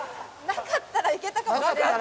なかったらいけたかも。